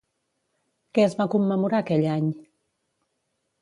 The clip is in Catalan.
Què es va commemorar aquell any?